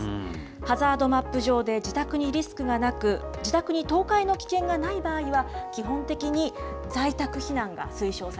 ハザードマップ上で自宅にリスクがなく、自宅に倒壊の危険がない場合は、基本的に在宅避難が推奨